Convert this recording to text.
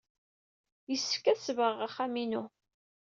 Yessefk ad d-sebɣeɣ axxam-inu.